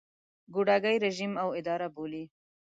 ګوډاګی رژیم او اداره بولي.